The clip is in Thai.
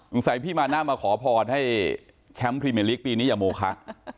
ใส่พี่มานะมาขอพรให้แชมป์พรีเมลิกปีนี้อย่าโมคะ